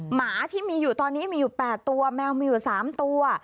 หมาที่มีอยู่ตอนนี้มีอยู่๘ตัวแมวมีอยู่๓ตัว